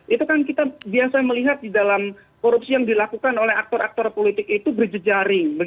itu kan kita biasa melihat di dalam korupsi yang dilakukan oleh aktor aktor politik itu berjejaring